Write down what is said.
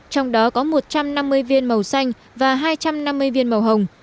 trong đó có một trăm năm mươi viên màu xanh và hai trăm năm mươi viên màu hồng